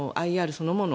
そのもの